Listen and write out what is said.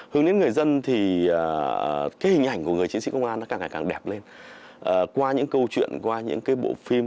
với người dân thì cái hình ảnh của người chính sĩ công an nó càng càng đẹp lên qua những câu chuyện qua những cái bộ phim